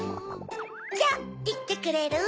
じゃいってくれる？